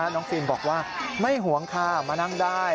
ฟิล์มบอกว่าไม่ห่วงค่ะมานั่งได้